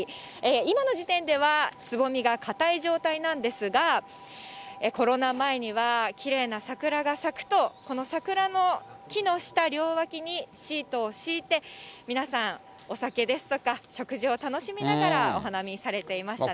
今の時点では、つぼみが固い状態なんですが、コロナ前には、きれいな桜が咲くと、この桜の木の下、両脇にシートを敷いて、皆さん、お酒ですとか、食事を楽しみながらお花見されていましたね。